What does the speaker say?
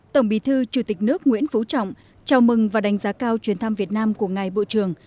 tổng bí thư chủ tịch nước nguyễn phú trọng chào mừng và đánh giá cao chuyến thăm việt nam của ngài bộ trưởng